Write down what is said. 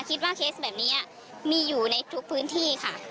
เพราะว่าเคสแบบนี้มีอยู่ในทุกพื้นที่ค่ะ